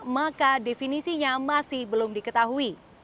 maka definisinya masih belum diketahui